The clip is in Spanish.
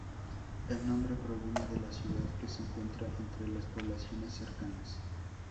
El nombre proviene de la ciudad que se encuentra entre las poblaciones cercanas.